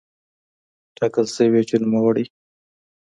ټاکل شوې چې نوموړی